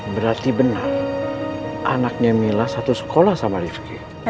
berarti benar anaknya mila satu sekolah sama rifki